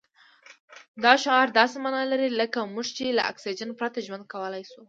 دا شعار داسې مانا لري لکه موږ چې له اکسجن پرته ژوند کولای شو.